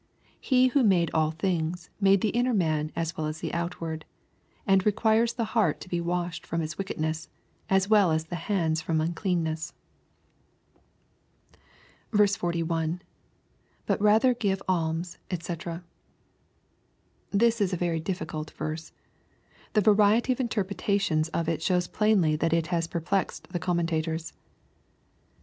He who made all things, made the inntT man as well as the outward, and requires the heart to be washed from its wickedness, as well as the hands from unclean ness. 11. — [Bat rather give alms, dhc] This is a very difl&cult verse. The variety of interpretations of it shows plainly that it has perplexed the commentators.